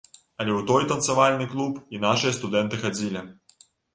Але ў той танцавальны клуб і нашыя студэнты хадзілі.